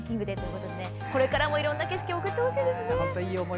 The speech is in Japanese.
これからもいろんな景色送ってほしいですね。